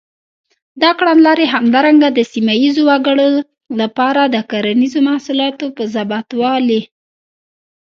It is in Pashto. دا کړنلارې همدارنګه د سیمه ییزو وګړو لپاره د کرنیزو محصولاتو په زباتوالي.